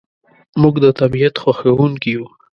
موږ د طبیعت خوښونکي یو.